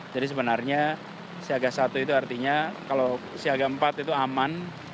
jadi sebenarnya siaga satu itu artinya kalau siaga empat itu aman